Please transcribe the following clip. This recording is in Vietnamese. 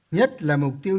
nhất là mục tiêu